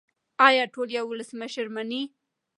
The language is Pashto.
آیا ټول یو ولسمشر مني؟